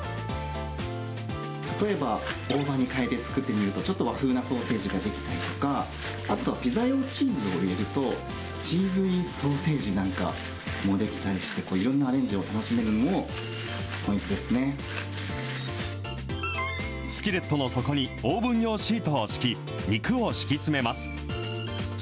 例えば大葉にかえて作ってみると、ちょっと和風なソーセージが出来たりとか、あと、ピザ用チーズを入れると、チーズインソーセージなんかも出来たりして、いろんなアレンジをスキレットの底にオーブン用シートを敷き、肉を敷き詰めます。